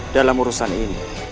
dalam urusan ini